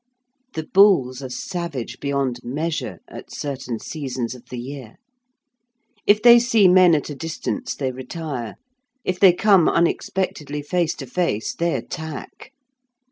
The bulls are savage beyond measure at certain seasons of the year. If they see men at a distance, they retire; if they come unexpectedly face to face, they attack.